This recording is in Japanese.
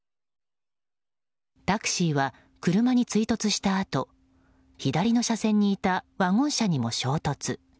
タクシーは車に追突したあと左の車線にいたワゴン車にも衝突。